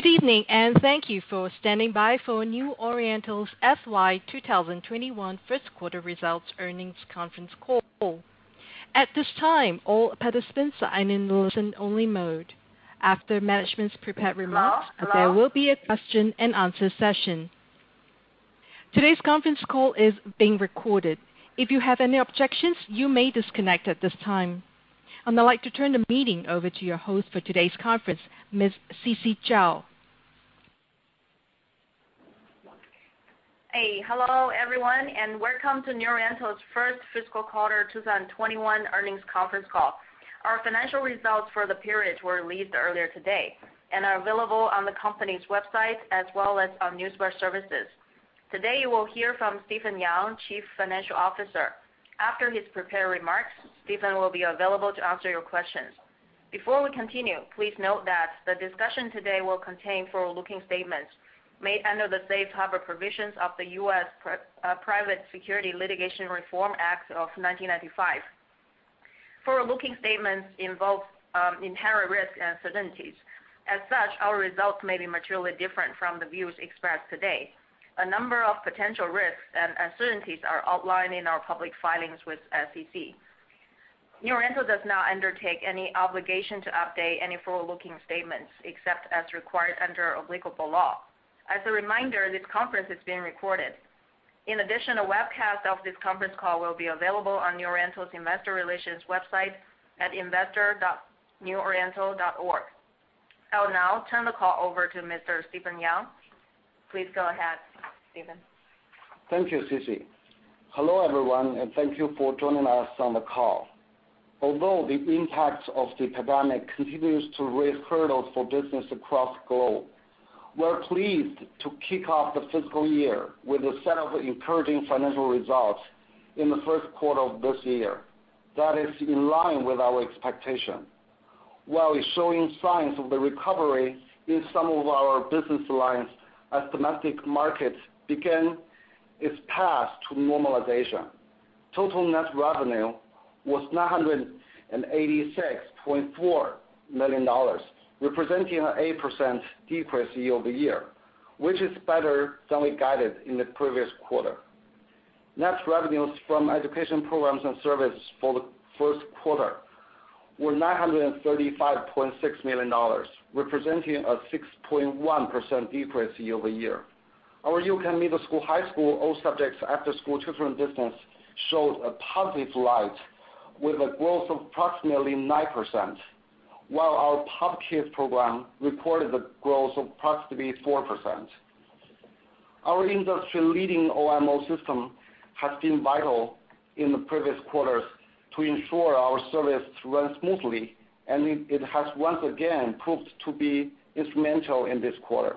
Good evening, and thank you for standing by for New Oriental's FY 2021 first quarter results earnings conference call. At this time, all participants are in listen-only mode. Hello? Hello? there will be a question and answer session. Today's conference call is being recorded. If you have any objections, you may disconnect at this time. I'd now like to turn the meeting over to your host for today's conference, Ms. Sisi Zhao. Hey. Hello, everyone, welcome to New Oriental's first fiscal quarter 2021 earnings conference call. Our financial results for the period were released earlier today and are available on the company's website as well as on Newswire services. Today, you will hear from Stephen Yang, Chief Financial Officer. After his prepared remarks, Stephen will be available to answer your questions. Before we continue, please note that the discussion today will contain forward-looking statements made under the safe harbor provisions of the U.S. Private Securities Litigation Reform Act of 1995. Forward-looking statements involve inherent risks and uncertainties. As such, our results may be materially different from the views expressed today. A number of potential risks and uncertainties are outlined in our public filings with SEC. New Oriental does not undertake any obligation to update any forward-looking statements, except as required under applicable law. As a reminder, this conference is being recorded. In addition, a webcast of this conference call will be available on New Oriental's investor relations website at investor.neworiental.org. I'll now turn the call over to Mr. Stephen Yang. Please go ahead, Stephen. Thank you, Sisi. Hello, everyone, and thank you for joining us on the call. Although the impact of the pandemic continues to raise hurdles for business across the globe, we're pleased to kick off the fiscal year with a set of encouraging financial results in the first quarter of this year that is in line with our expectation. While we're showing signs of the recovery in some of our business lines as domestic markets begin its path to normalization. Total net revenue was $986.4 million, representing an 8% decrease year-over-year, which is better than we guided in the previous quarter. Net revenues from education programs and services for the first quarter were $935.6 million, representing a 6.1% decrease year-over-year. Our U-Can middle school, high school, all subjects after-school tutoring business showed a positive light with a growth of approximately 9%, while our POP Kids program reported a growth of approximately 4%. Our industry-leading OMO system has been vital in the previous quarters to ensure our service runs smoothly, and it has once again proved to be instrumental in this quarter,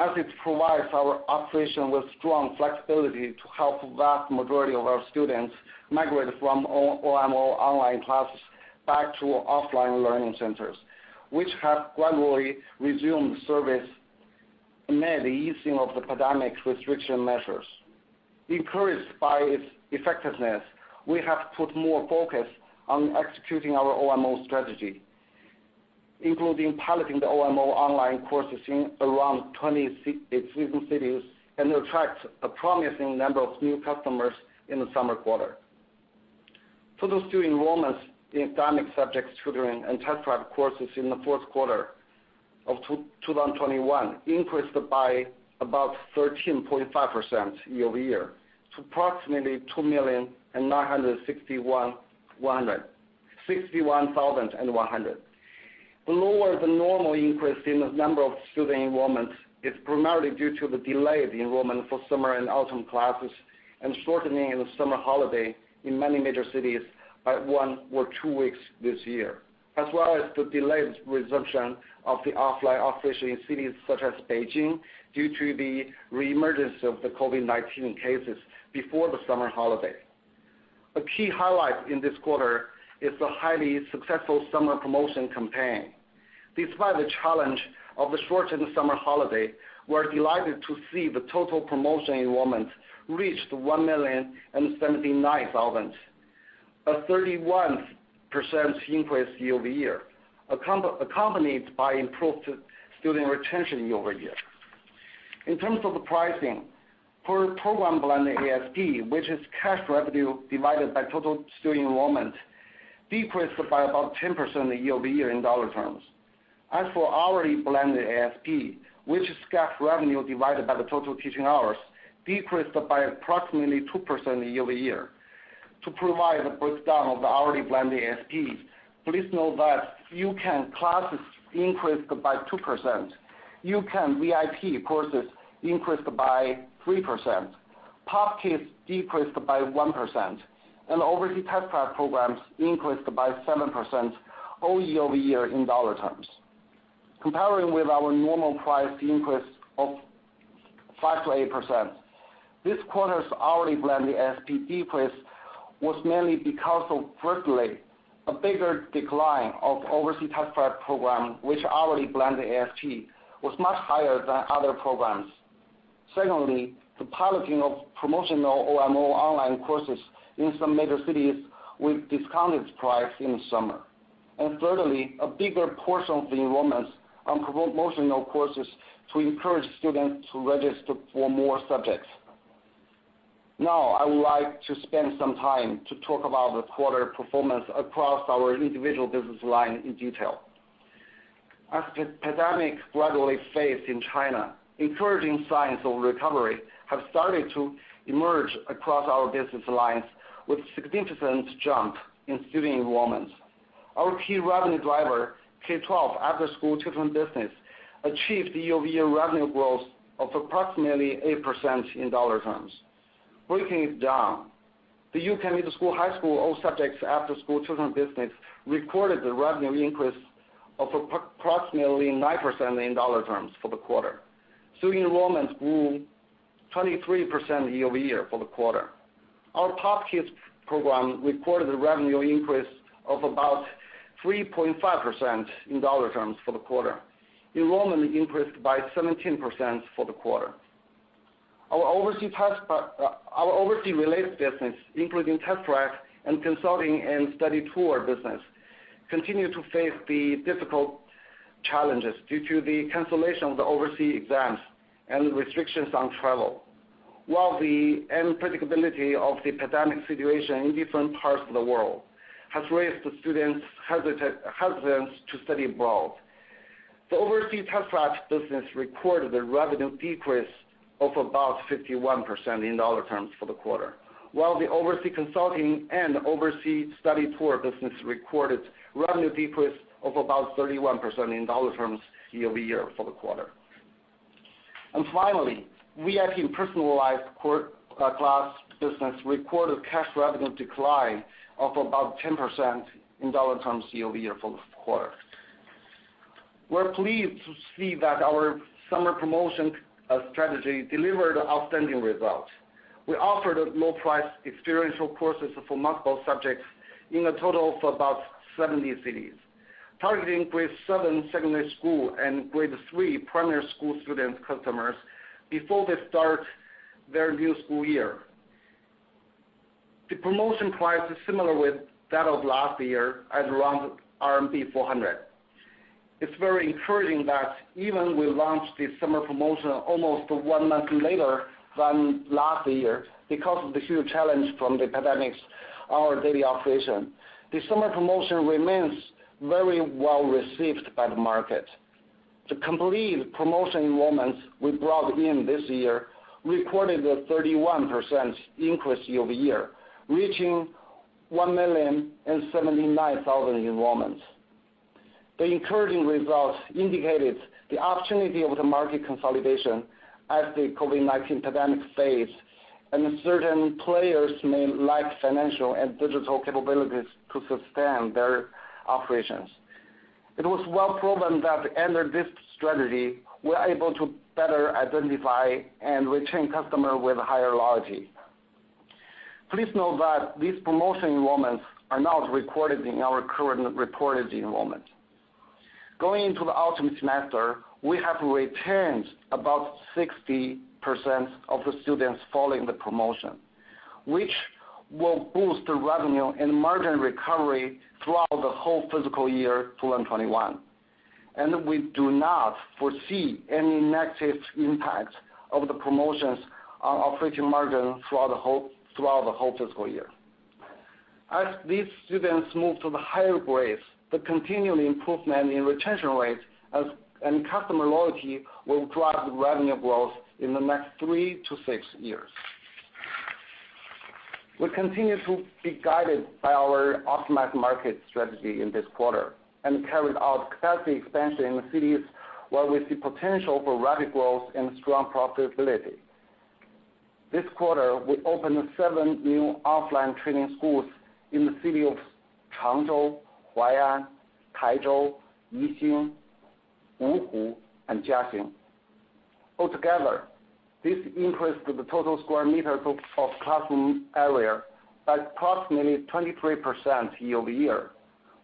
as it provides our operation with strong flexibility to help the vast majority of our students migrate from OMO online classes back to offline learning centers, which have gradually resumed service amid the easing of the pandemic's restriction measures. Encouraged by its effectiveness, we have put more focus on executing our OMO strategy, including piloting the OMO online courses in around 20 cities, it attracts a promising number of new customers in the summer quarter. Total student enrollments in academic subjects tutoring and test-prep courses in the fourth quarter of 2021 increased by about 13.5% year-over-year to approximately 2,961,100. Lower than normal increase in the number of student enrollments is primarily due to the delayed enrollment for summer and autumn classes and shortening of the summer holiday in many major cities by one or two weeks this year, as well as the delayed resumption of the offline operation in cities such as Beijing due to the reemergence of the COVID-19 cases before the summer holiday. A key highlight in this quarter is the highly successful summer promotion campaign. Despite the challenge of the shortened summer holiday, we're delighted to see the total promotion enrollment reached 1,079,000, a 31% increase year-over-year, accompanied by improved student retention year-over-year. In terms of the pricing, per program blended ASP, which is cash revenue divided by total student enrollment, decreased by about 10% year-over-year in dollar terms. As for hourly blended ASP, which is cash revenue divided by the total teaching hours, decreased by approximately 2% year-over-year. To provide a breakdown of the hourly blended ASPs, please know that U-Can classes increased by 2%, U-Can VIP courses increased by 3%, POP Kids decreased by 1%, and overseas test-prep programs increased by 7% all year-over-year in dollar terms. Comparing with our normal price increase of 5%-8%, this quarter's hourly blended ASP decrease was mainly because of, firstly, a bigger decline of overseas test-prep program, which hourly blended ASP was much higher than other programs. Secondly, the piloting of promotional OMO online courses in some major cities with discounted price in the summer. Thirdly, a bigger portion of the enrollments on promotional courses to encourage students to register for more subjects. I would like to spend some time to talk about the quarter performance across our individual business line in detail. As the pandemic gradually fades in China, encouraging signs of recovery have started to emerge across our business lines with significant jump in student enrollments. Our key revenue driver, K12 after-school tutoring business, achieved year-over-year revenue growth of approximately 8% in dollar terms. Breaking it down, the U-Can middle school/high school all subjects after-school tutoring business recorded the revenue increase of approximately 9% in dollar terms for the quarter. Student enrollments grew 23% year-over-year for the quarter. Our POP Kids program recorded a revenue increase of about 3.5% in dollar terms for the quarter. Enrollment increased by 17% for the quarter. Our overseas related business, including test prep and consulting and study tour business, continue to face the difficult challenges due to the cancellation of the overseas exams and restrictions on travel. While the unpredictability of the pandemic situation in different parts of the world has raised the students' hesitance to study abroad. The overseas test prep business recorded a revenue decrease of about 51% in dollar terms for the quarter. While the overseas consulting and overseas study tour business recorded revenue decrease of about 31% in dollar terms year-over-year for the quarter. Finally, VIP personalized class business recorded cash revenue decline of about 10% in dollar terms year-over-year for the quarter. We're pleased to see that our summer promotion strategy delivered outstanding results. We offered low-priced experiential courses for multiple subjects in a total of about 70 cities, targeting grade seven secondary school and grade three primary school student customers before they start their new school year. The promotion price is similar with that of last year at around 400. It's very encouraging that even we launched this summer promotion almost one month later than last year because of the huge challenge from the pandemic, our daily operation. The summer promotion remains very well-received by the market. The complete promotion enrollments we brought in this year reported a 31% increase year-over-year, reaching 1,079,000 enrollments. The encouraging results indicated the opportunity of the market consolidation as the COVID-19 pandemic fades, and certain players may lack financial and digital capabilities to sustain their operations. It was well-proven that under this strategy, we're able to better identify and retain customer with higher loyalty. Please note that these promotion enrollments are not recorded in our current reported enrollment. Going into the autumn semester, we have retained about 60% of the students following the promotion, which will boost the revenue and margin recovery throughout the whole fiscal year 2021. We do not foresee any negative impact of the promotions on operating margin throughout the whole fiscal year. As these students move to the higher grades, the continuing improvement in retention rates and customer loyalty will drive the revenue growth in the next three to six years. We continue to be guided by our optimized market strategy in this quarter and carried out capacity expansion in the cities where we see potential for rapid growth and strong profitability. This quarter, we opened seven new offline training schools in the city of Changzhou, Huai'an, Taizhou, Yixing, Wuhu, and Jiaxing. Altogether, this increased the total square meters of classroom area by approximately 23% year-over-year,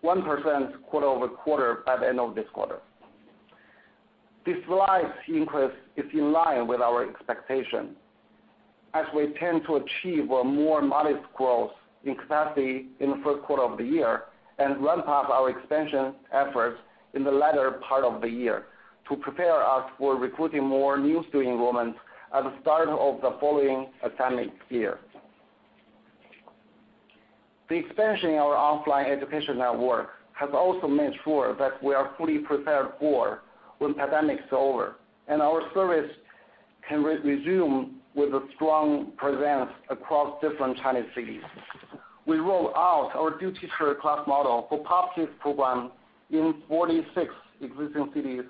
1% quarter-over-quarter by the end of this quarter. This slight increase is in line with our expectation, as we tend to achieve a more modest growth in capacity in the first quarter of the year and ramp up our expansion efforts in the latter part of the year to prepare us for recruiting more new student enrollments at the start of the following academic year. The expansion in our offline education network has also made sure that we are fully prepared for when pandemic is over, and our service can resume with a strong presence across different Chinese cities. We rolled out our dual-teacher class model for POP Kids program in 46 existing cities,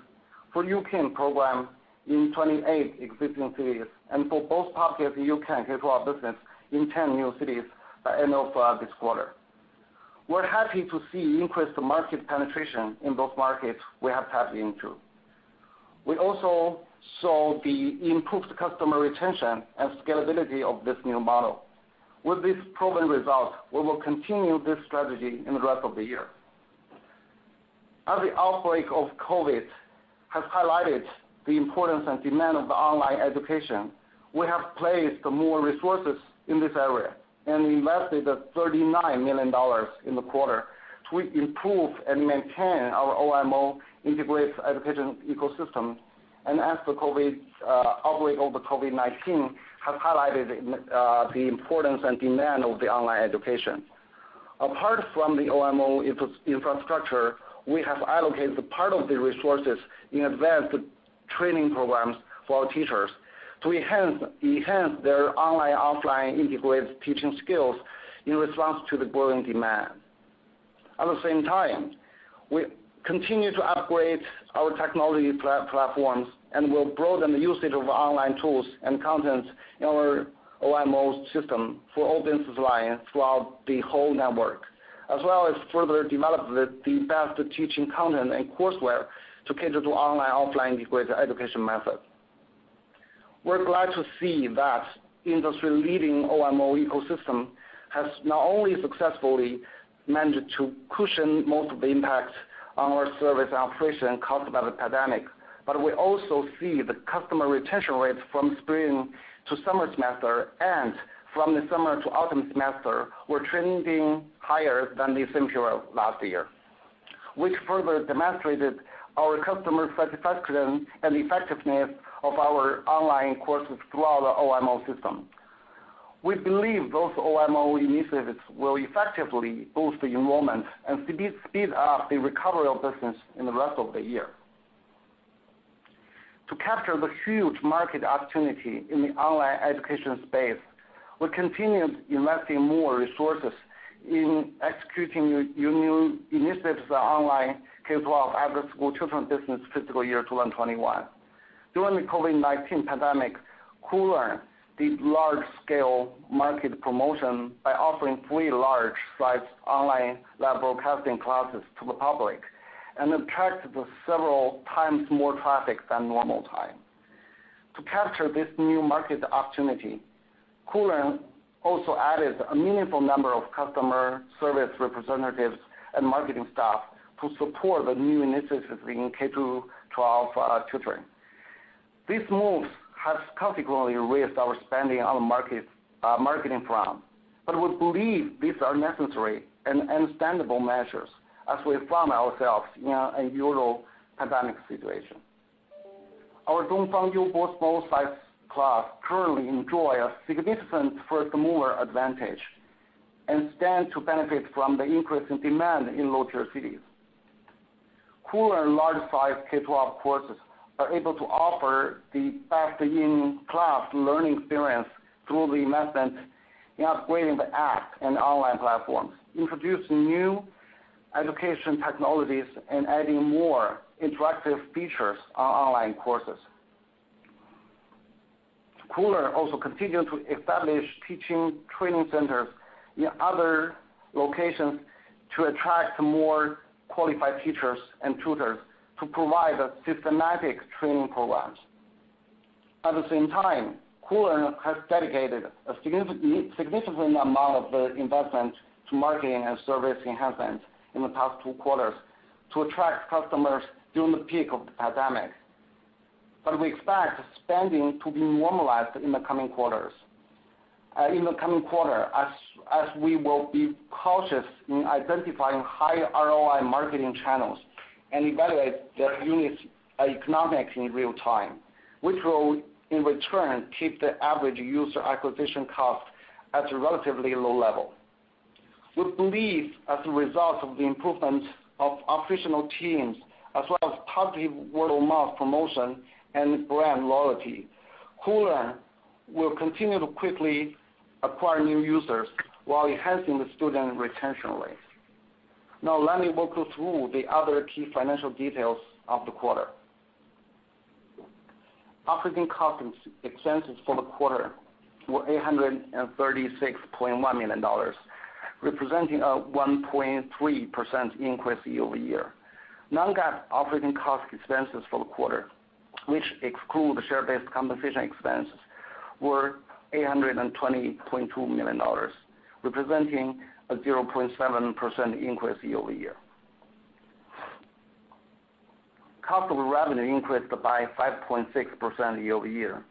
for U-Can program in 28 existing cities, and for both POP Kids and U-Can K12 business in 10 new cities by end of this quarter. We're happy to see increased market penetration in those markets we have tapped into. We also saw the improved customer retention and scalability of this new model. With this proven result, we will continue this strategy in the rest of the year. As the outbreak of COVID-19 has highlighted the importance and demand of online education, we have placed more resources in this area and invested $39 million in the quarter to improve and maintain our OMO integrated education ecosystem. Apart from the OMO infrastructure, we have allocated part of the resources in advanced training programs for our teachers to enhance their online/offline integrated teaching skills in response to the growing demand. At the same time, we continue to upgrade our technology platforms and will broaden the usage of online tools and content in our OMO system for all business lines throughout the whole network, as well as further develop the best teaching content and courseware to cater to online/offline integrated education method. We're glad to see that industry-leading OMO ecosystem has not only successfully managed to cushion most of the impact on our service operation caused by the pandemic, we also see the customer retention rate from spring to summer semester and from the summer to autumn semester were trending higher than the same period last year. Which further demonstrated our customer satisfaction and the effectiveness of our online courses throughout the OMO system. We believe those OMO initiatives will effectively boost the enrollment and speed up the recovery of business in the rest of the year. To capture the huge market opportunity in the online education space, we continued investing more resources in executing new initiatives, online K12 after-school tutoring business fiscal year 2021. During the COVID-19 pandemic, Koolearn did large-scale market promotion by offering free large-sized online live broadcasting classes to the public and attracted several times more traffic than normal time. To capture this new market opportunity, Koolearn also added a meaningful number of customer service representatives and marketing staff to support the new initiatives in K12 tutoring. These moves have consequently raised our spending on marketing front, but we believe these are necessary and understandable measures as we found ourselves in an unusual pandemic situation. Our Dongfang Youbo both small-size class currently enjoy a significant first-mover advantage and stand to benefit from the increase in demand in lower-tier cities. Koolearn large-size K-12 courses are able to offer the best in-class learning experience through the method in upgrading the app and online platforms, introducing new education technologies and adding more interactive features on online courses. Koolearn also continue to establish teaching training centers in other locations to attract more qualified teachers and tutors to provide a systematic training programs. At the same time, Koolearn has dedicated a significant amount of the investment to marketing and service enhancements in the past two quarters to attract customers during the peak of the pandemic. We expect spending to be normalized in the coming quarter, as we will be cautious in identifying high ROI marketing channels and evaluate their unit economics in real time, which will, in return, keep the average user acquisition cost at a relatively low level. We believe as a result of the improvement of operational teams, as well as positive word-of-mouth promotion and brand loyalty, Koolearn will continue to quickly acquire new users while enhancing the student retention rate. Now let me walk you through the other key financial details of the quarter. Operating expenses for the quarter were $836.1 million, representing a 1.3% increase year-over-year. Non-GAAP operating cost expenses for the quarter, which exclude the share-based compensation expenses, were $820.2 million, representing a 0.7% increase year-over-year. Cost of revenue increased by 5.6% year-over-year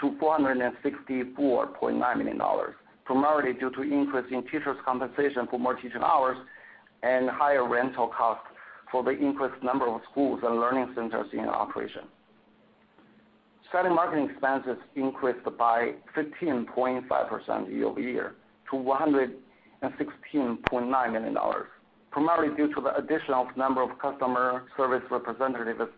to $464.9 million, primarily due to increase in teachers' compensation for more teaching hours and higher rental costs for the increased number of schools and learning centers in operation. Selling, marketing expenses increased by 15.5% year-over-year to $116.9 million, primarily due to the additional number of customer service representatives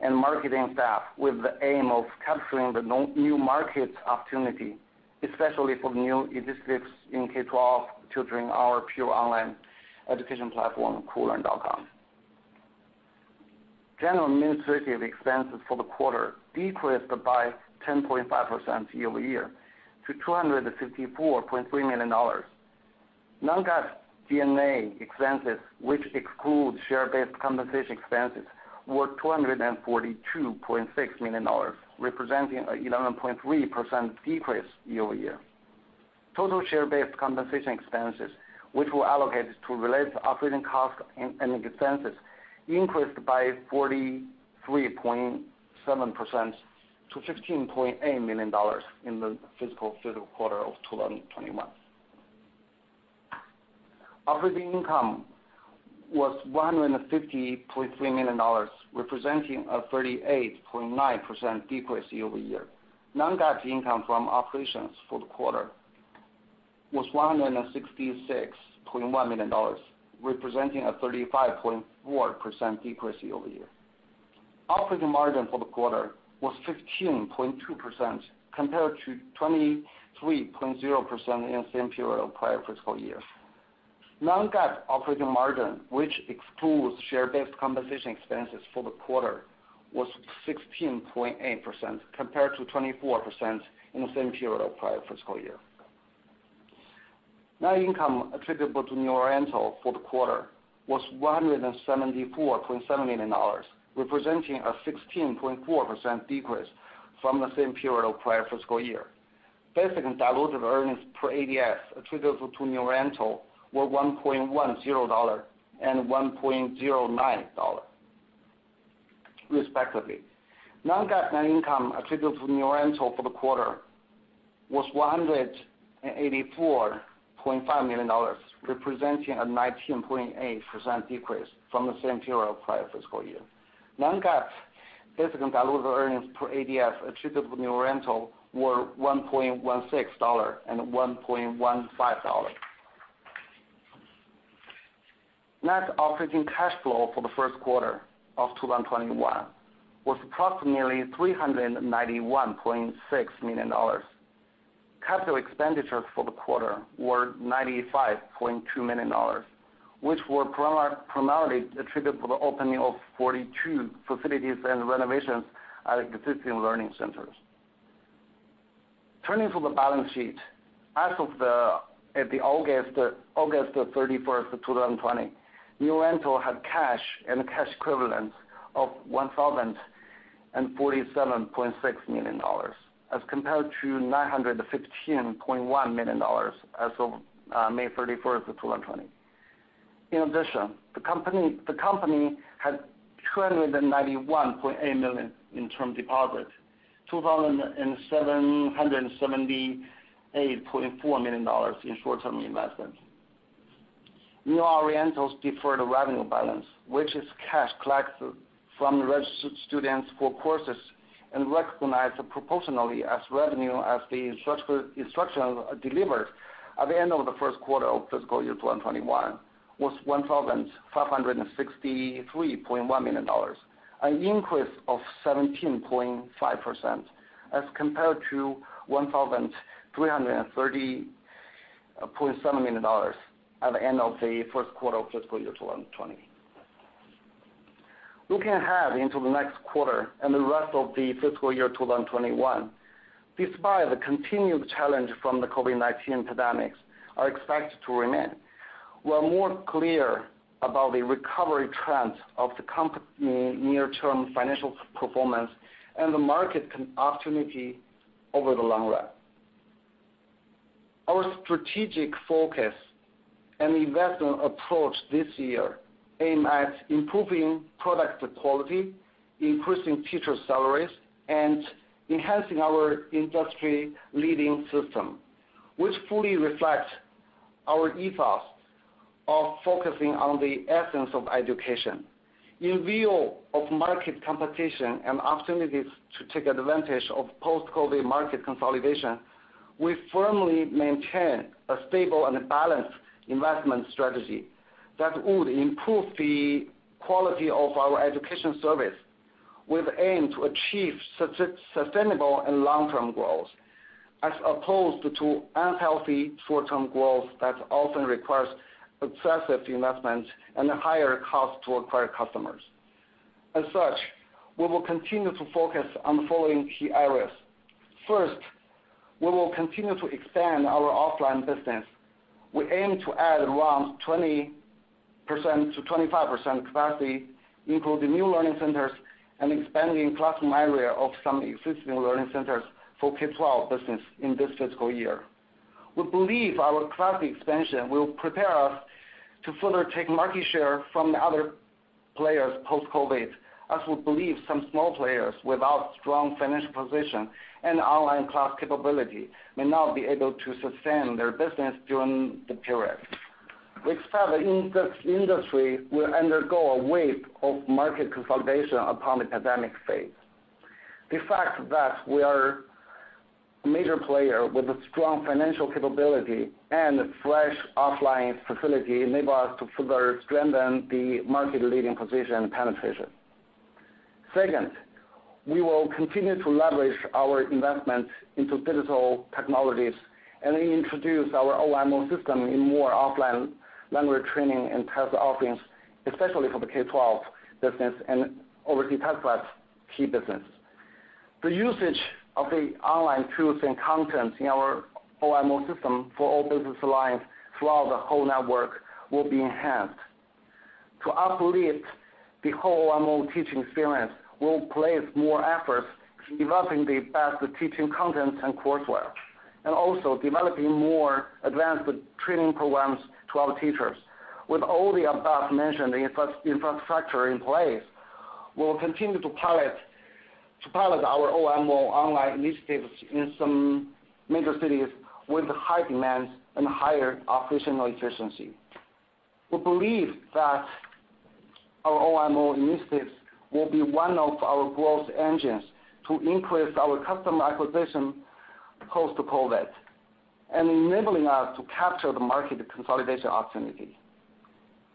and marketing staff, with the aim of capturing the new market opportunity, especially for new initiatives in K-12 tutoring, our pure online education platform, Koolearn.com. General and administrative expenses for the quarter decreased by 10.5% year-over-year to $254.3 million. Non-GAAP G&A expenses, which exclude share-based compensation expenses, were $242.6 million, representing a 11.3% decrease year-over-year. Total share-based compensation expenses, which were allocated to related operating costs and expenses, increased by 43.7% to $15.8 million in the fiscal first quarter of 2021. Operating income was $150.3 million, representing a 38.9% decrease year over year. Non-GAAP income from operations for the quarter was $166.1 million, representing a 35.4% decrease year over year. Operating margin for the quarter was 15.2% compared to 23.0% in the same period of prior fiscal year. Non-GAAP operating margin, which excludes share-based compensation expenses for the quarter, was 16.8% compared to 24% in the same period of prior fiscal year. Net income attributable to New Oriental for the quarter was $174.7 million, representing a 16.4% decrease from the same period of prior fiscal year. Basic and diluted earnings per ADS attributable to New Oriental were $1.10 and $1.09, respectively. Non-GAAP net income attributable to New Oriental for the quarter was $184.5 million, representing a 19.8% decrease from the same period of prior fiscal year. Non-GAAP basic and diluted earnings per ADS attributable to New Oriental were $1.16 and $1.15. Net operating cash flow for the first quarter of 2021 was approximately $391.6 million. Capital expenditures for the quarter were $95.2 million, which were primarily attributed to the opening of 42 facilities and renovations at existing learning centers. Turning to the balance sheet. As of August 31st of 2020, New Oriental had cash and cash equivalents of $1,047.6 million, as compared to $915.1 million as of May 31st of 2020. In addition, the company had $291.8 million in term deposits, $2,778.4 million in short-term investments. New Oriental's deferred revenue balance, which is cash collected from registered students for courses and recognized proportionally as revenue as the instruction delivered at the end of the first quarter of fiscal year 2021, was $1,563.1 million. An increase of 17.5% as compared to $1,330.7 million at the end of the first quarter of fiscal year 2020. Looking ahead into the next quarter and the rest of the fiscal year 2021, despite the continued challenge from the COVID-19 pandemic are expected to remain, we are more clear about the recovery trends of the company near-term financial performance and the market opportunity over the long run. Our strategic focus and investment approach this year aim at improving product quality, increasing teacher salaries, and enhancing our industry-leading system, which fully reflects our ethos of focusing on the essence of education. In view of market competition and opportunities to take advantage of post-COVID market consolidation, we firmly maintain a stable and balanced investment strategy that would improve the quality of our education service with aim to achieve sustainable and long-term growth, as opposed to unhealthy short-term growth that often requires excessive investments and higher cost to acquire customers. As such, we will continue to focus on the following key areas. First, we will continue to expand our offline business. We aim to add around 20%-25% capacity, including new learning centers and expanding classroom area of some existing learning centers for K-12 business in this fiscal year. We believe our class expansion will prepare us to further take market share from the other players post-COVID, as we believe some small players without strong financial position and online class capability may not be able to sustain their business during the period. We expect this industry will undergo a wave of market consolidation upon the pandemic phase. The fact that we are a major player with a strong financial capability and a fresh offline facility enable us to further strengthen the market-leading position and penetration. Second, we will continue to leverage our investment into digital technologies and introduce our OMO system in more offline language training and test offerings, especially for the K-12 business and overseas test prep key business. The usage of the online tools and content in our OMO system for all business lines throughout the whole network will be enhanced. To uplift the whole OMO teaching experience, we'll place more efforts developing the best teaching content and courseware, and also developing more advanced training programs to our teachers. With all the above mentioned infrastructure in place, we'll continue to pilot our OMO online initiatives in some major cities with high demands and higher operational efficiency. We believe that our OMO initiatives will be one of our growth engines to increase our customer acquisition post-COVID, and enabling us to capture the market consolidation opportunity.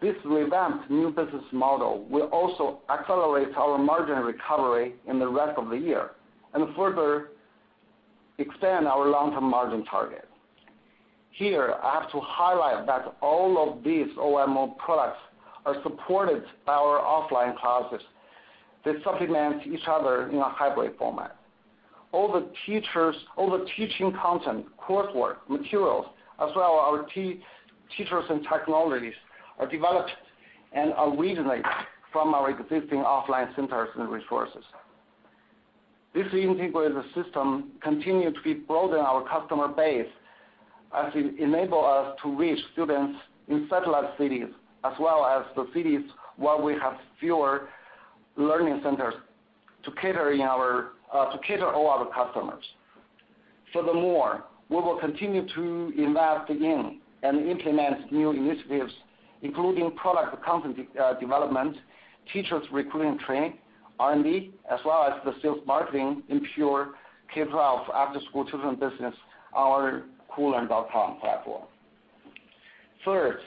This revamped new business model will also accelerate our margin recovery in the rest of the year, and further extend our long-term margin target. Here, I have to highlight that all of these OMO products are supported by our offline classes that supplement each other in a hybrid format. All the teaching content, coursework, materials, as well our teachers and technologies, are developed and originate from our existing offline centers and resources. This integrated system continue to broaden our customer base as it enable us to reach students in satellite cities, as well as the cities where we have fewer learning centers to cater all our customers. Furthermore, we will continue to invest in and implement new initiatives, including product content development, teachers recruiting and training, R&D, as well as the sales marketing in pure K-12 after-school tutoring business, our koolearn.com platform. Third,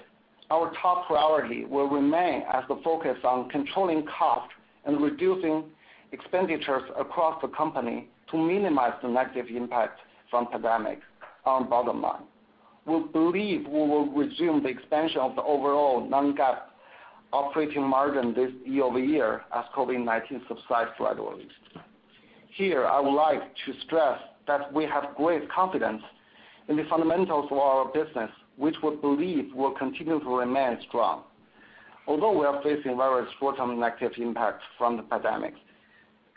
our top priority will remain as the focus on controlling cost and reducing expenditures across the company to minimize the negative impact from pandemic on bottom line. We believe we will resume the expansion of the overall non-GAAP operating margin this year-over-year as COVID-19 subside gradually. Here, I would like to stress that we have great confidence in the fundamentals of our business, which we believe will continue to remain strong. Although we are facing various short-term negative impacts from the pandemic,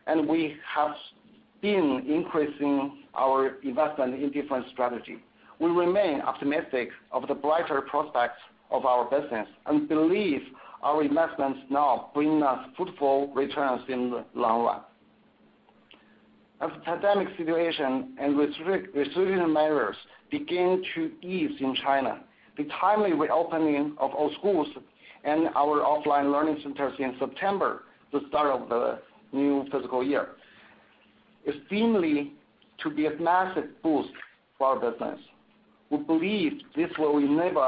and we have been increasing our investment in different strategy, we remain optimistic of the brighter prospects of our business, and believe our investments now bring us fruitful returns in the long run. As the pandemic situation and restriction measures begin to ease in China, the timely reopening of all schools and our offline learning centers in September, the start of the new fiscal year, is seemingly to be a massive boost for our business. We believe this will enable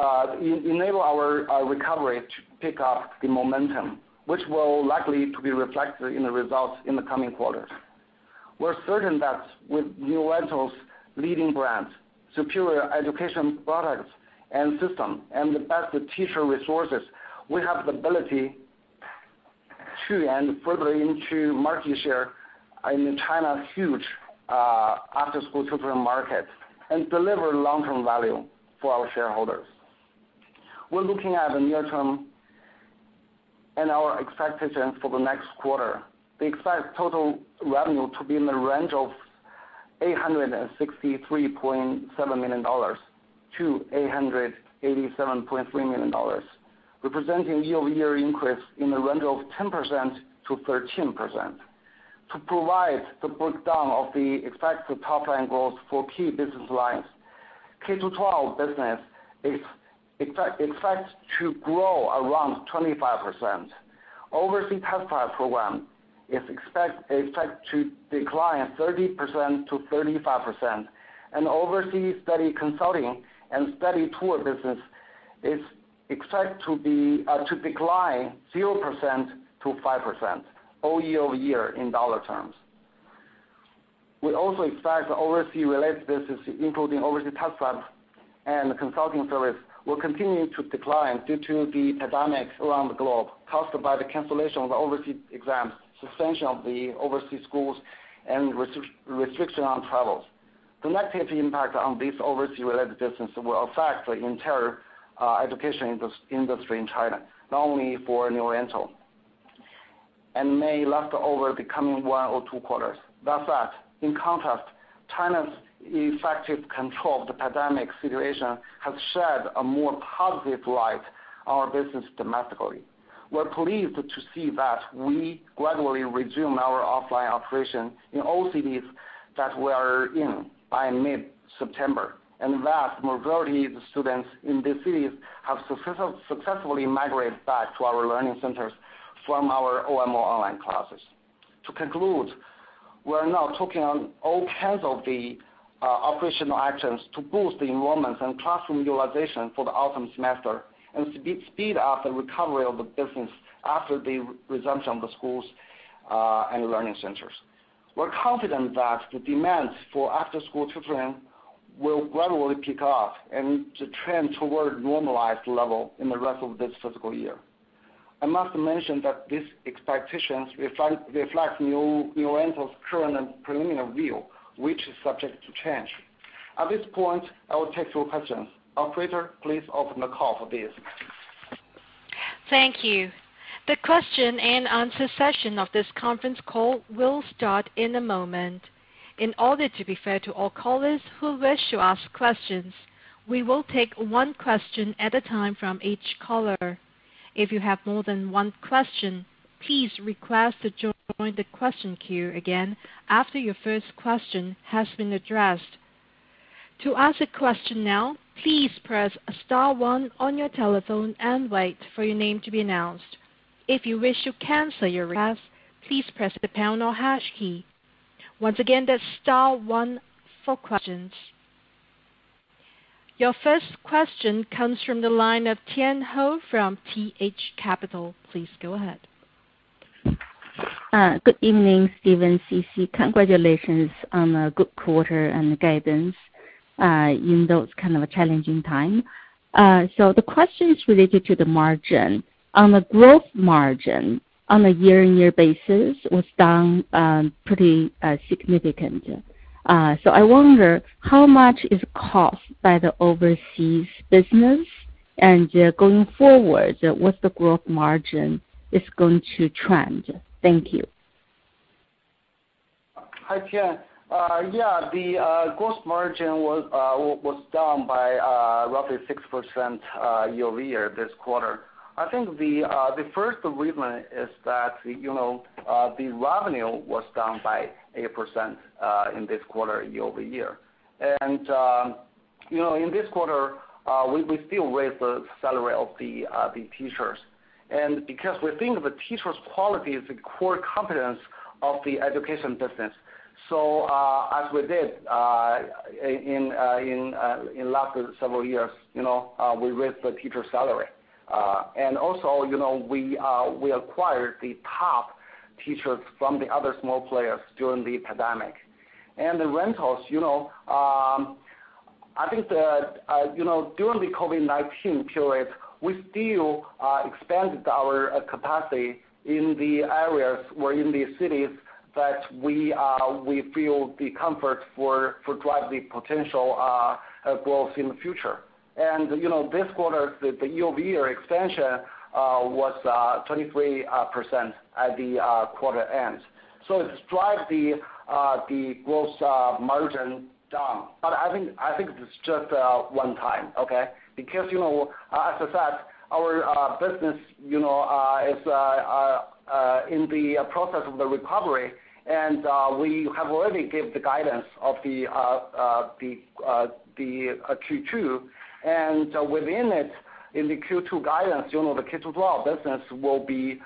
our recovery to pick up the momentum, which will likely to be reflected in the results in the coming quarters. We're certain that with New Oriental's leading brands, superior education products and system, and the best teacher resources, we have the ability to earn further into market share in China's huge after-school tutoring market and deliver long-term value for our shareholders. We're looking at the near term and our expectations for the next quarter. We expect total revenue to be in the range of $863.7 million-$887.3 million, representing year-over-year increase in the range of 10%-13%. To provide the breakdown of the expected top line growth for key business lines, K-12 business is expected to grow around 25%. Overseas test prep program is expected to decline 30%-35%, and overseas study consulting and study tour business is expected to decline 0%-5% all year-over-year in dollar terms. We also expect the overseas-related business, including overseas test prep and consulting service, will continue to decline due to the pandemic around the globe caused by the cancellation of overseas exams, suspension of the overseas schools, and restriction on travels. The negative impact on these overseas-related business will affect the entire education industry in China, not only for New Oriental, and may last over the coming one or two quarters. That said, in contrast, China's effective control of the pandemic situation has shed a more positive light on our business domestically. We're pleased to see that we gradually resume our offline operation in all cities that we are in by mid-September, and vast majority of the students in these cities have successfully migrated back to our learning centers from our OMO online classes. To conclude, we're now taking on all kinds of the operational actions to boost the enrollments and classroom utilization for the autumn semester, and speed up the recovery of the business after the resumption of the schools and learning centers. We're confident that the demands for after-school tutoring will gradually pick up and to trend toward normalized level in the rest of this fiscal year. I must mention that these expectations reflect New Oriental's current preliminary view, which is subject to change. At this point, I will take your questions. Operator, please open the call for this. Thank you. The question-and-answer session of this conference call will start in a moment. In order to be fair to all callers who wish to ask questions, we will take one question at a time from each caller. If you have more than one question, please request to join the question queue again after your first question has been addressed. To ask a question now, please press star one on your telephone and wait for your name to be announced. If you wish to cancel your request, please press the pound or hash key. Once again, that's star one for questions. Your first question comes from the line of Tian Hou from TH Capital. Please go ahead. Good evening, Stephen, CC. Congratulations on a good quarter and guidance, even though it's kind of a challenging time. The question is related to the margin. On the gross margin, on a year-on-year basis, was down pretty significant. I wonder how much is caused by the overseas business, and going forward, what the gross margin is going to trend. Thank you. Hi, Tian. Yeah, the gross margin was down by roughly 6% year-over-year this quarter. I think the first reason is that the revenue was down by 8% in this quarter, year-over-year. In this quarter, we still raised the salary of the teachers, and because we think the teachers' quality is the core competence of the education business. As we did in last several years, we raised the teachers' salary. Also, we acquired the top teachers from the other small players during the pandemic. The rentals, I think that during the COVID-19 period, we still expanded our capacity in the areas or in the cities that we feel the comfort for drive the potential growth in the future. This quarter, the year-over-year expansion was 23% at the quarter end. It drives the gross margin down. I think it's just a one time, okay. Because as I said, our business is in the process of the recovery, and we have already gave the guidance of the Q2. Within it, in the Q2 guidance, the K-12 business will be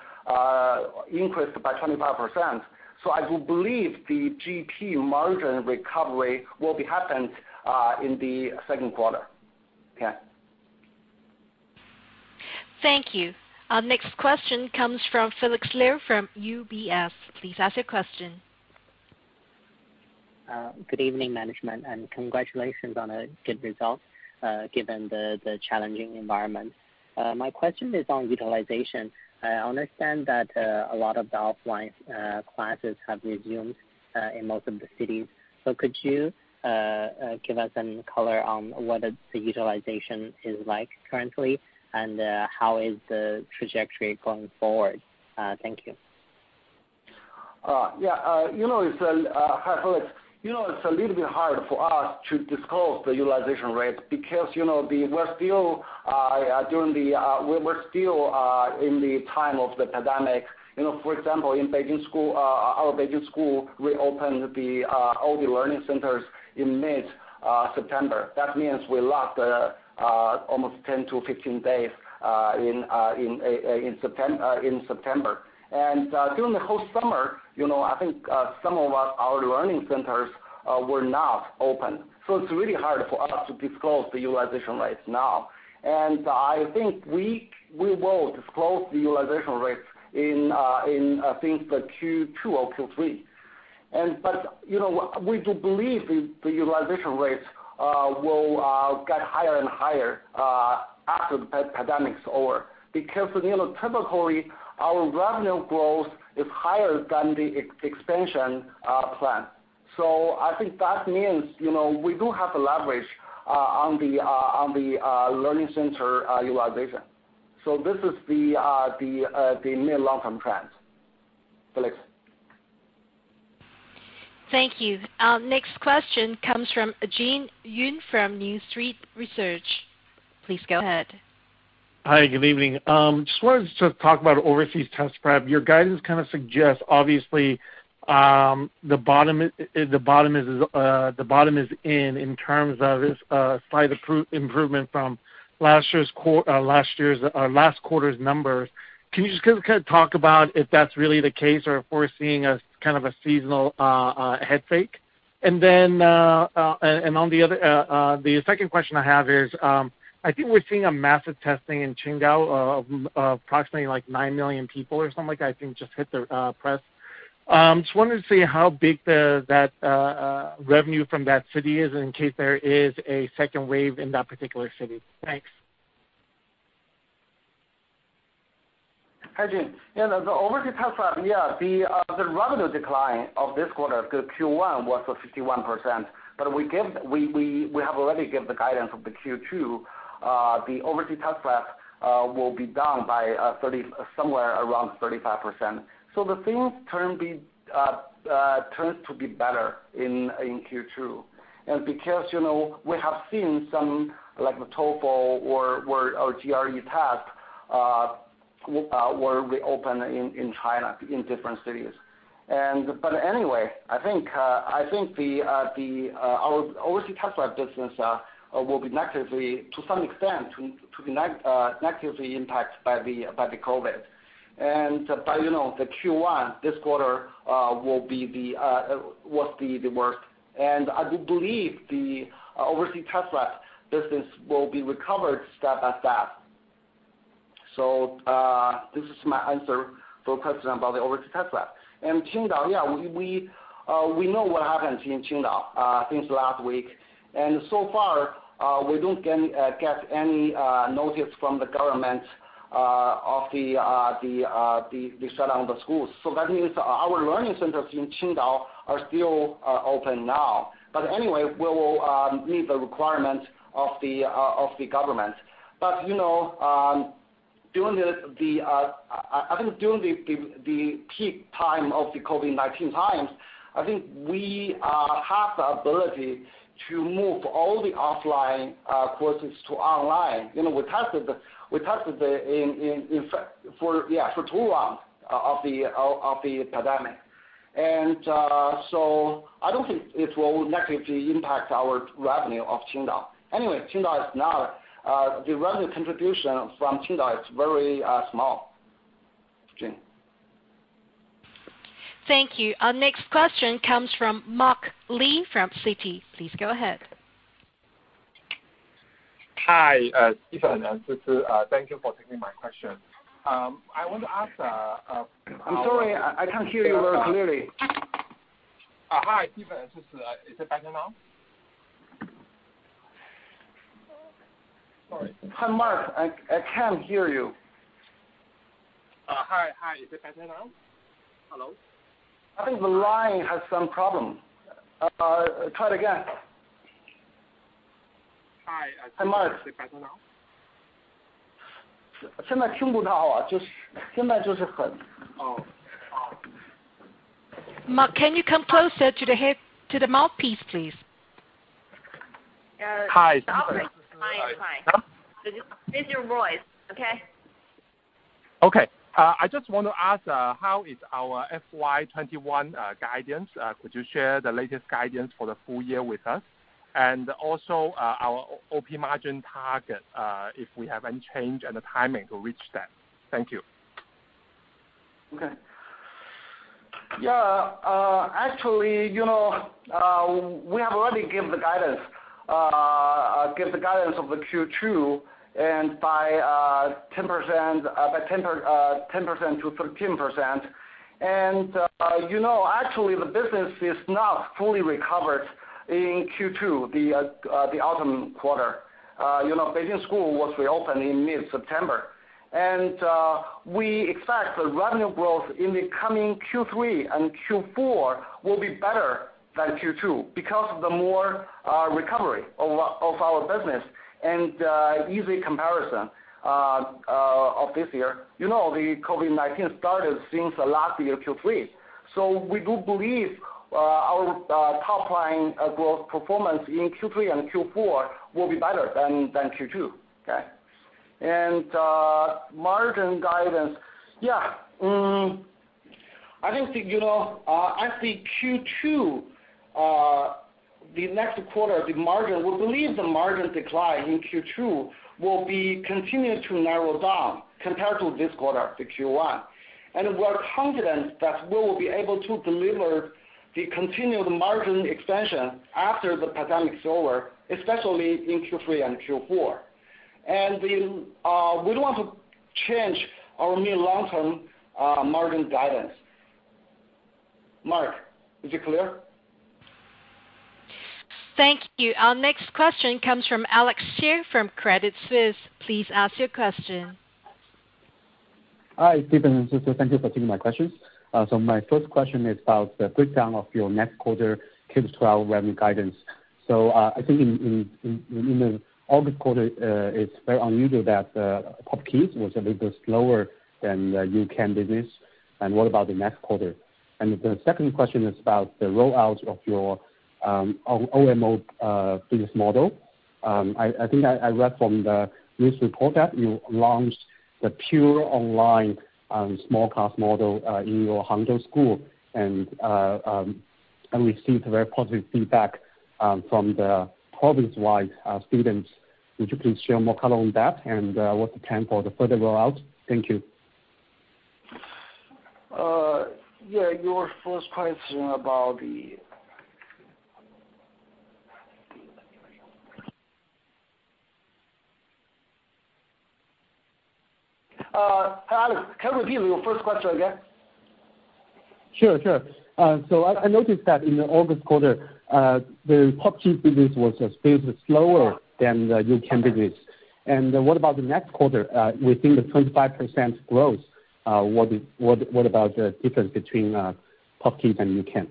increased by 25%. I do believe the GM margin recovery will be happened in the second quarter. Tian. Thank you. Our next question comes from Felix Liu from UBS. Please ask your question. Good evening, management. Congratulations on a good result given the challenging environment. My question is on utilization. I understand that a lot of offline classes have resumed in most of the cities. Could you give us some color on what the utilization is like currently, and how is the trajectory going forward? Thank you. Yeah. Hi, Felix. It's a little bit hard for us to disclose the utilization rate because we're still in the time of the pandemic. For example, in Beijing School, our Beijing School reopened all the learning centers in mid-September. That means we lost almost 10 to 15 days in September. During the whole summer, I mean, some of our learning centers were not open. It's really hard for us to disclose the utilization rates now. I think we will disclose the utilization rates in, I think, the Q2 or Q3. We do believe the utilization rates will get higher and higher after the pandemic's over, because typically, our revenue growth is higher than the expansion plan. I think that means we do have a leverage on the learning center utilization. This is the main long-term trend, Felix. Thank you. Our next question comes from Jin Yoon from New Street Research. Please go ahead. Hi, good evening. Just wanted to talk about overseas test prep. Your guidance kind of suggests, obviously, the bottom is in in terms of this slight improvement from last quarter's numbers. Can you just kind of talk about if that's really the case, or if we're seeing a kind of a seasonal head fake? The second question I have is, I think we're seeing a massive testing in Qingdao of approximately like nine million people or something like that, I think just hit the press. I just wanted to see how big that revenue from that city is in case there is a second wave in that particular city. Thanks. Hi, Jin. The overseas test prep, the revenue decline of this quarter, the Q1, was 51%. We have already given the guidance of the Q2. The overseas test prep will be down by somewhere around 35%. Things turn to be better in Q2. Because we have seen some, like the TOEFL or GRE tests, were reopened in China in different cities. Anyway, I think our overseas test prep business will be, to some extent, negatively impacted by the COVID-19. The Q1, this quarter, was the worst. I do believe the overseas test prep business will be recovered step by step. This is my answer for the question about the overseas test prep. Qingdao, we know what happened in Qingdao since last week. So far, we don't get any notice from the government of the shutdown of the schools. That means our learning centers in Qingdao are still open now. Anyway, we will meet the requirements of the government. I think during the peak time of the COVID-19 times, we have the ability to move all the offline courses to online. We tested it for two months of the pandemic. I don't think it will negatively impact our revenue of Qingdao. Anyway, Qingdao is now, the revenue contribution from Qingdao is very small, Jin. Thank you. Our next question comes from Mark Li from Citi. Please go ahead. Hi, Stephen and Sisi. Thank you for taking my question. I'm sorry, I can't hear you very clearly. Hi, Stephen and Sizhu. Is it better now? Sorry. Hi, Mark. I can't hear you. Hi. Is it better now? Hello? I think the line has some problem. Try it again. Hi. Hi, Mark. Is it better now? Mark, can you come closer to the mouthpiece, please? Hi. It's fine. Raise your voice, okay? Okay. I just want to ask, how is our FY 2021 guidance? Could you share the latest guidance for the full year with us? Also, our OP margin target, if we have any change and the timing to reach that. Thank you. Okay. Yeah. Actually, we have already given the guidance of the Q2, by 10%-13%. Actually, the business is now fully recovered in Q2, the autumn quarter. Beijing school was reopened in mid-September. We expect the revenue growth in the coming Q3 and Q4 will be better than Q2 because of the more recovery of our business and easy comparison of this year. The COVID-19 started since last year, Q3. We do believe our top-line growth performance in Q3 and Q4 will be better than Q2. Okay? Margin guidance. Yeah. I think, actually Q2, the next quarter, we believe the margin decline in Q2 will be continued to narrow down compared to this quarter, the Q1. We are confident that we will be able to deliver the continued margin expansion after the pandemic is over, especially in Q3 and Q4. We don't want to change our mid long-term margin guidance. Mark, is it clear? Thank you. Our next question comes from Alex Chu from Credit Suisse. Please ask your question. Hi, Stephen and Sisi. Thank you for taking my questions. My first question is about the breakdown of your next quarter K-12 revenue guidance. I think in the August quarter, it's very unusual that the POP Kids was a little slower than the U-Can business. What about the next quarter? The second question is about the rollout of your OMO business model. I think I read from the news report that you launched the pure online small class model in your Hangzhou school and received very positive feedback from the province-wide students. Could you please share more color on that and what's the plan for the further rollout? Thank you. Yeah. Your first question about Alex, can you repeat your first question again? Sure. I noticed that in the August quarter, the POP Kids business was a bit slower than the U-Can business. What about the next quarter? Within the 25% growth, what about the difference between POP Kids and U-Can?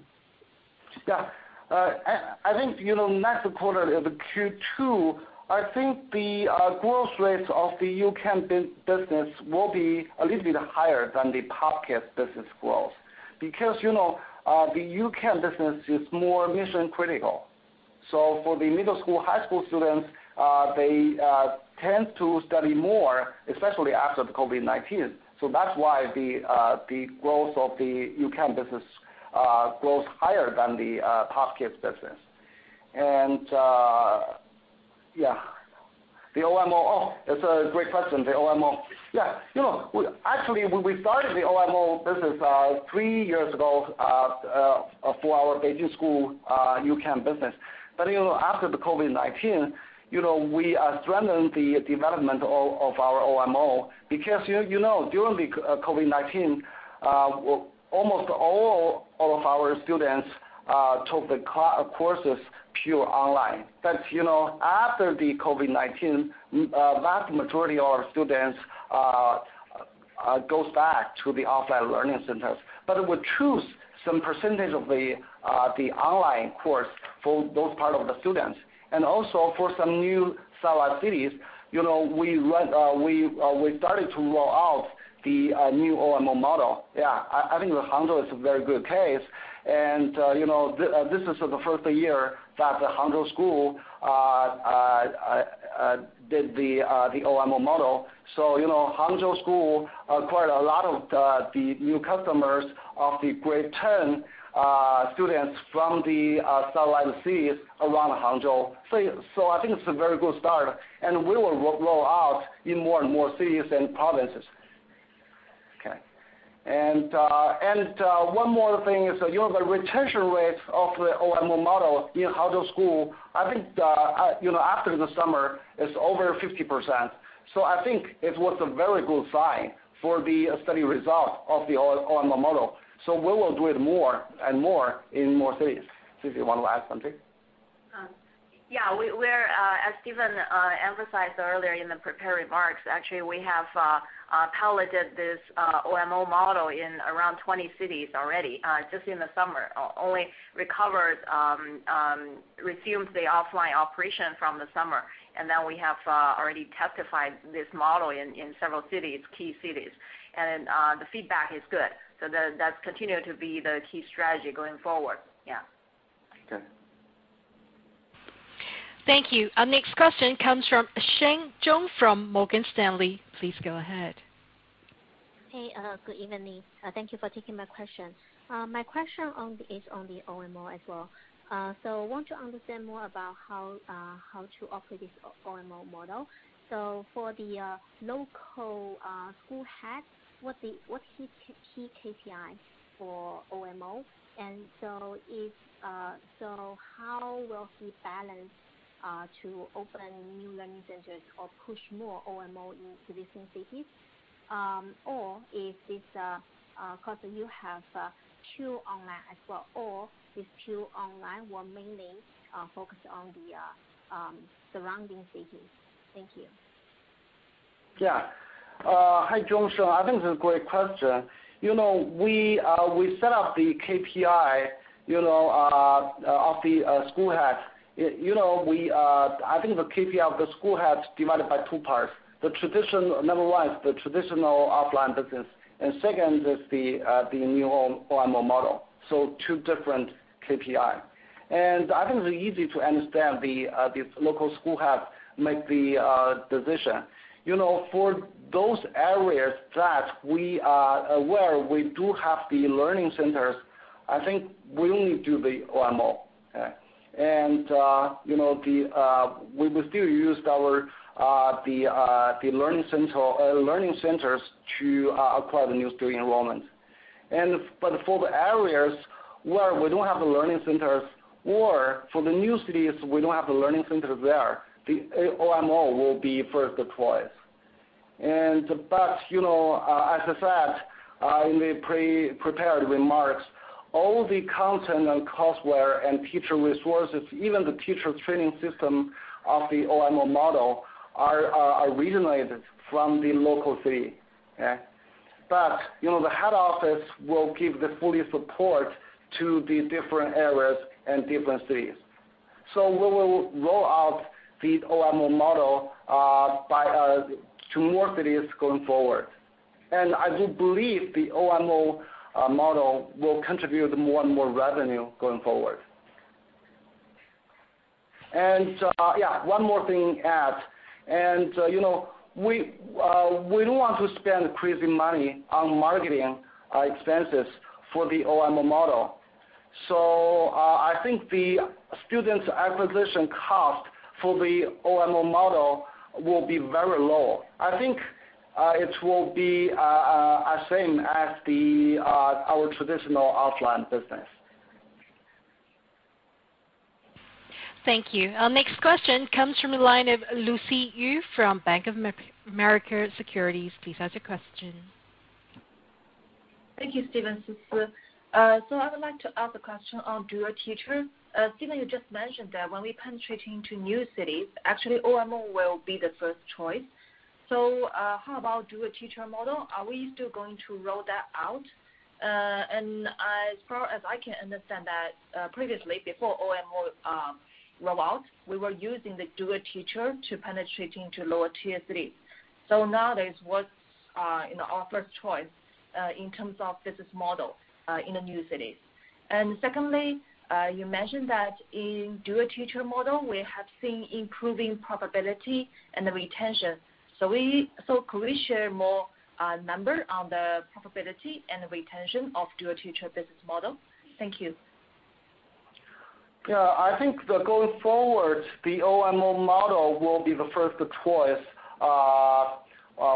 Yeah. I think, next quarter, the Q2, I think the growth rate of the U-Can business will be a little bit higher than the POP Kids business growth because the U-Can business is more mission-critical. For the middle school, high school students, they tend to study more, especially after COVID-19. That's why the growth of the U-Can business grows higher than the POP Kids business. Yeah. The OMO. Oh, that's a great question. The OMO. Yeah. Actually, we started the OMO business three years ago, for our Beijing school U-Can business. After the COVID-19, we are strengthening the development of our OMO because during the COVID-19, almost all of our students took the courses pure online. After the COVID-19, vast majority of our students goes back to the offline learning centers, but would choose some percentage of the online course for those part of the students. Also for some new satellite cities, we started to roll out the new OMO model. I think Hangzhou is a very good case, and this is the first year that the Hangzhou school did the OMO model. Hangzhou school acquired a lot of the new customers of the grade 10 students from the satellite cities around Hangzhou. I think it's a very good start, and we will roll out in more and more cities and provinces. Okay. One more thing is the retention rate of the OMO model in Hangzhou school, I think after the summer is over 50%. I think it was a very good sign for the study result of the OMO model. We will do it more and more in more cities. Cindy, you want to add something? Yeah. As Stephen emphasized earlier in the prepared remarks, actually, we have piloted this OMO model in around 20 cities already, just in the summer. Only resumed the offline operation from the summer, now we have already tested this model in several key cities. The feedback is good. That's continued to be the key strategy going forward, yeah. Okay. Thank you. Our next question comes from Sheng Zhong from Morgan Stanley. Please go ahead. Hey, good evening. Thank you for taking my question. My question is on the OMO as well. I want to understand more about how to operate this OMO model. For the local school head, what's his key KPI for OMO? How will he balance to open new learning centers or push more OMO into these new cities? If it's because you have pure online as well, or if pure online will mainly focus on the surrounding cities. Thank you. Yeah. Hi, Sheng Zhong. I think this is a great question. We set up the KPI of the school heads. I think the KPI of the school heads divided by two parts. Number one is the traditional offline business. Second is the new OMO model. Two different KPI. I think it's easy to understand the local school heads make the decision. For those areas that we are aware we do have the learning centers, I think we will do the OMO. Okay. We will still use the learning centers to acquire the new student enrollment. For the areas where we don't have the learning centers or for the new cities we don't have the learning centers there, the OMO will be first deployed. As I said in the prepared remarks, all the content and courseware and teacher resources, even the teacher training system of the OMO model are originated from the local city. Okay? The head office will give the full support to the different areas and different cities. We will roll out the OMO model to more cities going forward. I do believe the OMO model will contribute more and more revenue going forward. Yeah, one more thing add, we don't want to spend crazy money on marketing expenses for the OMO model. I think the students acquisition cost for the OMO model will be very low. I think it will be the same as our traditional offline business. Thank you. Our next question comes from the line of Lucy Yu from Bank of America Securities. Please ask your question. Thank you, Stephen, Su. I would like to ask a question on dual-teacher. Stephen, you just mentioned that when we penetrating into new cities, actually OMO will be the first choice. How about dual-teacher model? Are we still going to roll that out? As far as I can understand that previously, before OMO roll out, we were using the dual-teacher to penetrating into lower tier cities. Nowadays, what's in offer choice, in terms of business model, in the new cities? Secondly, you mentioned that in dual-teacher model, we have seen improving profitability and the retention. Could we share more number on the profitability and retention of dual-teacher business model? Thank you. Yeah, I think that going forward, the OMO model will be the first choice.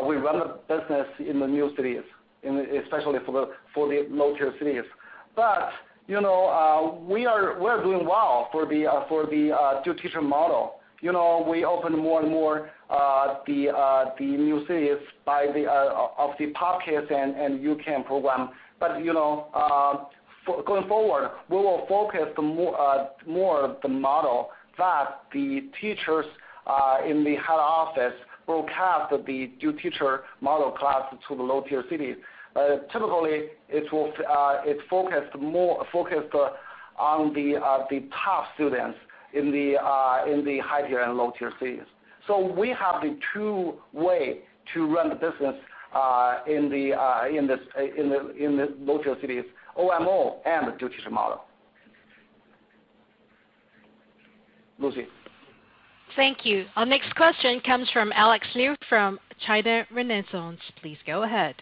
We run a business in the new cities, especially for the low-tier cities. We're doing well for the dual-teacher model. We open more and more the new cities of the POP Kids and U-Can program. Going forward, we will focus more of the model that the teachers in the head office will cast the new teacher model class to the low-tier cities. Typically, it focused on the top students in the high-tier and low-tier cities. We have the two way to run the business in the low-tier cities, OMO and the dual-teacher model. Lucy. Thank you. Our next question comes from Alex Liu from China Renaissance. Please go ahead.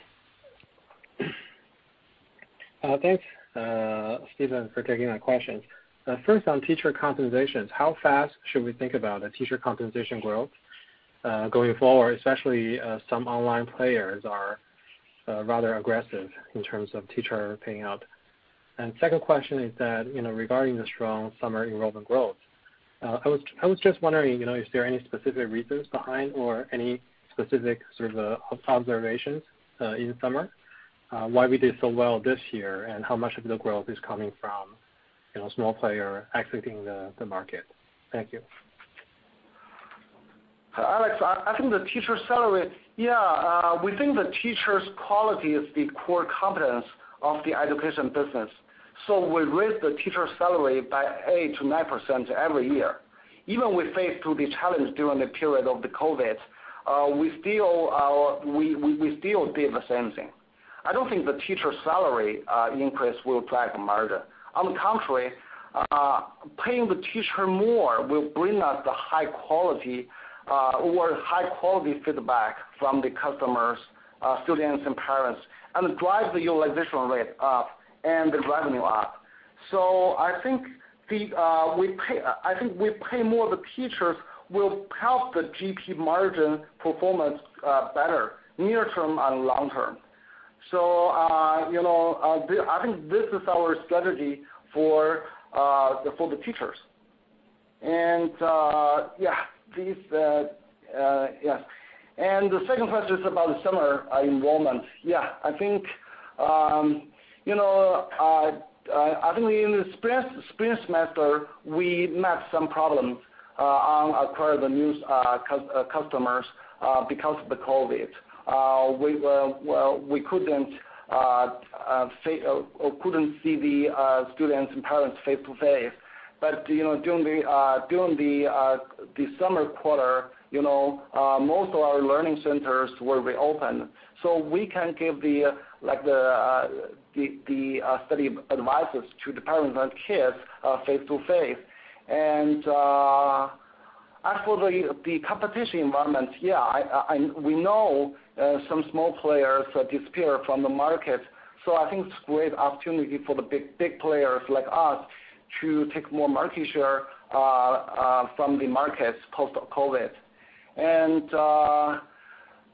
Thanks, Stephen, for taking my question. First, on teacher compensations, how fast should we think about a teacher compensation growth, going forward, especially, some online players are rather aggressive in terms of teacher paying out. Second question is that regarding the strong summer enrollment growth, I was just wondering, is there any specific reasons behind or any specific sort of observations, in summer, why we did so well this year, and how much of the growth is coming from small player exiting the market? Thank you. Alex, I think the teacher salary. We think the teacher's quality is the core competence of the education business. We raise the teacher salary by 8%-9% every year. Even we face through the challenge during the period of the COVID-19, we still did the same thing. I don't think the teacher salary increase will drive the margin. On the contrary, paying the teacher more will bring us the high quality or high quality feedback from the customers, students, and parents, and drive the utilization rate up and the revenue up. I think we pay more the teachers will help the GP margin performance better near term and long term. I think this is our strategy for the teachers. The second question is about the summer enrollment. I think in the spring semester, we met some problems on acquiring the new customers, because of the COVID-19. We couldn't see the students and parents face-to-face. During the summer quarter, most of our learning centers were reopened. We can give the study advices to the parent and kids face-to-face. As for the competition environment, yeah, we know some small players disappear from the market. I think it's great opportunity for the big players like us to take more market share from the markets post-COVID-19.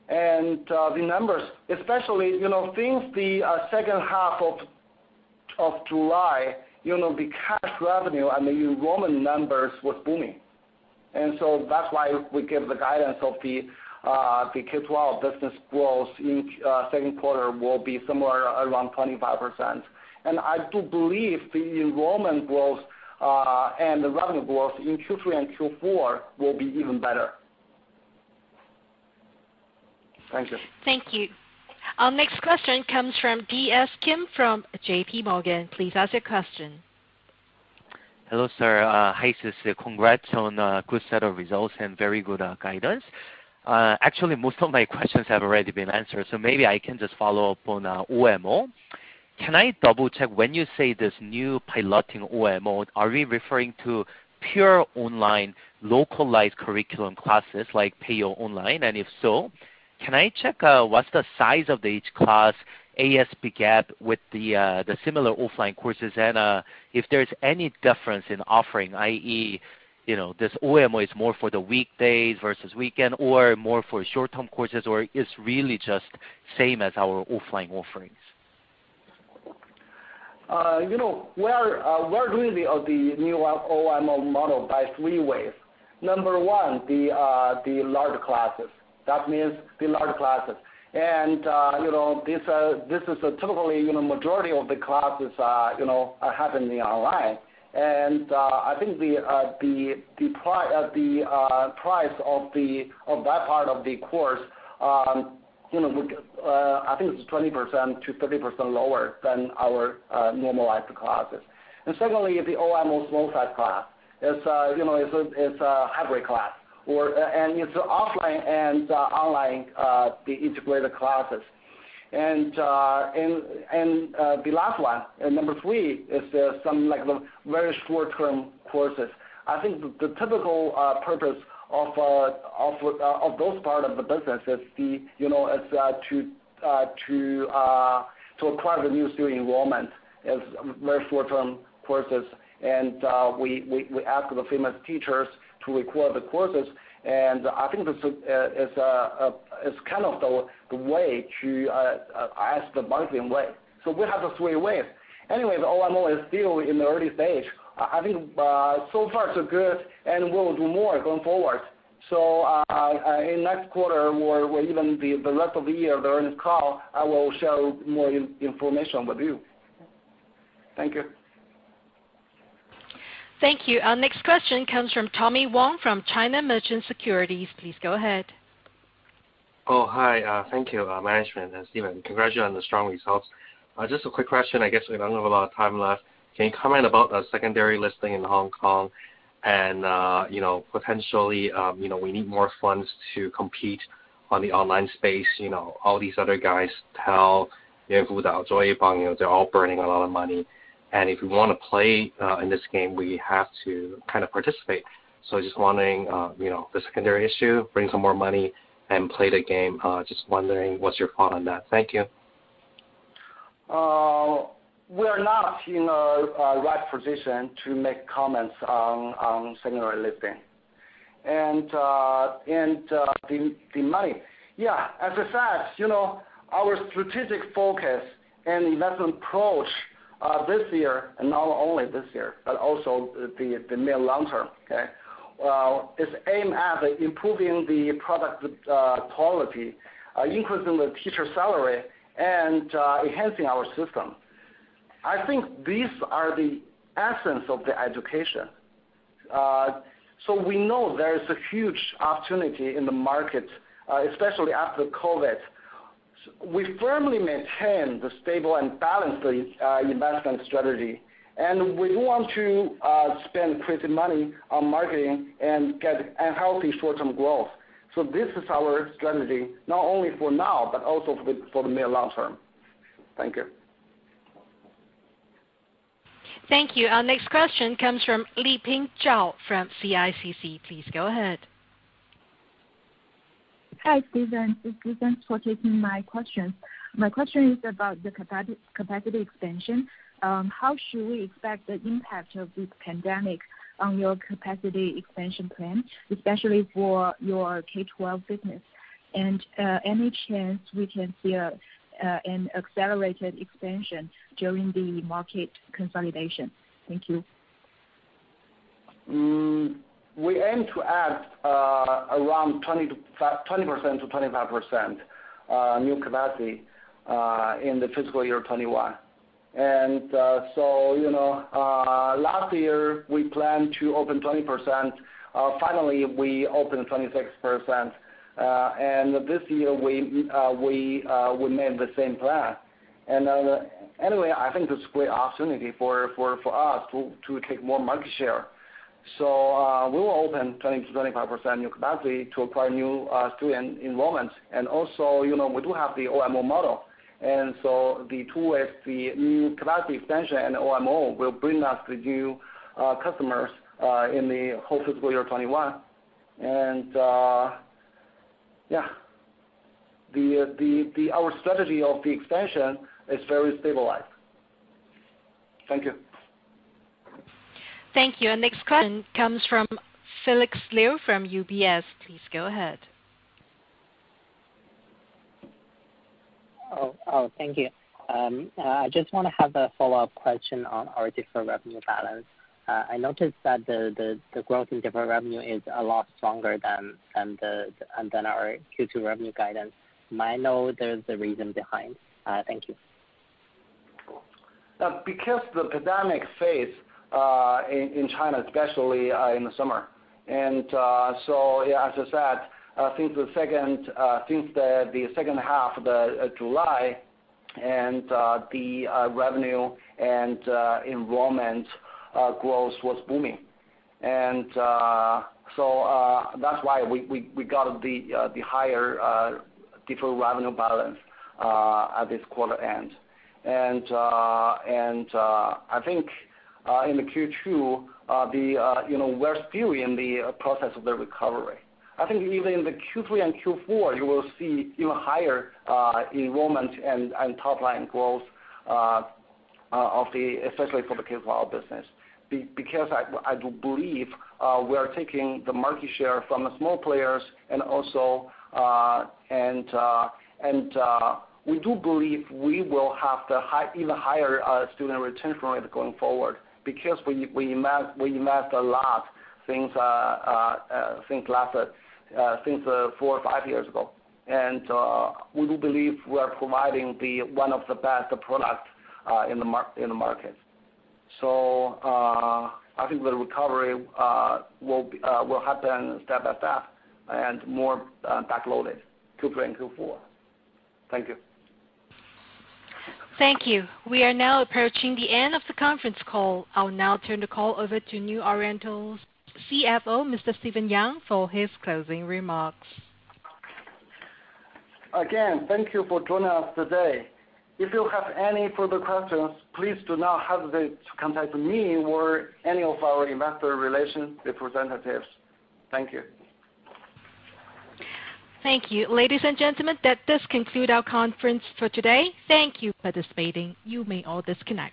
The numbers, especially, since the second half of July, the cash revenue and the enrollment numbers was booming. That's why we give the guidance of the K-12 business growth in second quarter will be somewhere around 25%. I do believe the enrollment growth, and the revenue growth in Q3 and Q4 will be even better. Thank you. Thank you. Our next question comes from DS Kim from JPMorgan. Please ask your question. Hello, sir. Hi, Sisi. Congrats on a good set of results and very good guidance. Actually, most of my questions have already been answered, so maybe I can just follow up on OMO. Can I double-check, when you say this new piloting OMO, are we referring to pure online localized curriculum classes, like DFUB? If so, can I check what's the size of each class ASP gap with the similar offline courses and if there's any difference in offering, i.e., this OMO is more for the weekdays versus weekend or more for short-term courses, or it's really just same as our offline offerings? We are doing the new OMO model by three ways. Number one, the large classes. That means the large classes. This is typically majority of the classes are happening online. I think the price of that part of the course, I think it's 20%-30% lower than our normalized classes. Secondly, the OMO small size class. It's a hybrid class, and it's offline and online, the integrated classes. The last one, number three, is some very short-term courses. I think the typical purpose of those part of the business is to acquire the new student enrollment as very short-term courses. We ask the famous teachers to record the courses, and I think this is the way to ask the marketing way. We have the three ways. Anyway, the OMO is still in the early stage. I think so far so good, and we'll do more going forward. In next quarter or even the rest of the year, the earnings call, I will share more information with you. Thank you. Thank you. Our next question comes from Tommy Wong from China Merchants Securities. Please go ahead. Oh, hi. Thank you, management and Stephen. Congratulations on the strong results. Just a quick question, I guess we don't have a lot of time left. Can you comment about the secondary listing in Hong Kong? Potentially, we need more funds to compete on the online space. All these other guys, TAL, they're all burning a lot of money. If we want to play in this game, we have to participate. Just wondering, the secondary issue, bring some more money and play the game. Just wondering, what's your thought on that? Thank you. We are not in a right position to make comments on secondary listing. The money. Yeah, as I said, our strategic focus and investment approach this year, and not only this year, but also the mid-long term, okay, is aimed at improving the product quality, increasing the teacher salary, and enhancing our system. I think these are the essence of the education. We know there is a huge opportunity in the market, especially after COVID. We firmly maintain the stable and balanced investment strategy, and we want to spend prudent money on marketing and get a healthy short-term growth. This is our strategy, not only for now, but also for the mid-long term. Thank you. Thank you. Our next question comes from Liping ZHAO from CICC. Please go ahead. Hi, Stephen. Thanks for taking my question. My question is about the capacity expansion. How should we expect the impact of this pandemic on your capacity expansion plan, especially for your K-12 business? Any chance we can see an accelerated expansion during the market consolidation? Thank you. We aim to add around 20%-25% new capacity in the fiscal year 2021. Last year, we planned to open 20%. Finally, we opened 26%. This year, we made the same plan. Anyway, I think it's a great opportunity for us to take more market share. We will open 20%-25% new capacity to acquire new student enrollments. Also, we do have the OMO model. The two ways, the new capacity expansion and OMO will bring us the new customers in the whole fiscal year 2021. Yeah, our strategy of the expansion is very stabilized. Thank you. Thank you. Our next question comes from Felix Liu from UBS. Please go ahead. Oh, thank you. I just want to have a follow-up question on our deferred revenue balance. I noticed that the growth in deferred revenue is a lot stronger than our Q2 revenue guidance. Might I know there's a reason behind. Thank you. The pandemic in China, especially in the summer. As I said, since the second half of July, the revenue and enrollment growth was booming. That's why we got the higher deferred revenue balance at this quarter end. I think in the Q2, we're still in the process of the recovery. I think even in the Q3 and Q4, you will see even higher enrollment and top line growth, especially for the K-12 business. I do believe we are taking the market share from the small players, and we do believe we will have the even higher student retention rate going forward, because we invest a lot since four or five years ago. We do believe we are providing one of the best products in the market. I think the recovery will happen step by step and more backloaded, Q3 and Q4. Thank you. Thank you. We are now approaching the end of the conference call. I will now turn the call over to New Oriental's CFO, Mr. Stephen Yang, for his closing remarks. Again, thank you for joining us today. If you have any further questions, please do not hesitate to contact me or any of our investor relations representatives. Thank you. Thank you. Ladies and gentlemen, that does conclude our conference for today. Thank you for participating. You may all disconnect.